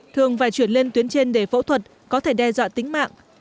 thường phải chuyển lên tuyến trên để phẫu thuật có thể đe dọa tính mạng